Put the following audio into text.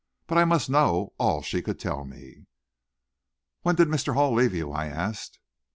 But I must know all she could tell me. "When did Mr. Hall leave you?" I asked.